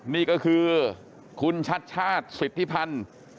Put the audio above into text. นี่ก็คือคุณชัดชาติสิทธิพันธ์